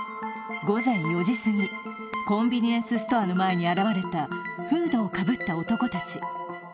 午前４時過ぎ、コンビニエンスストアの前に現れたフードをかぶった男たち。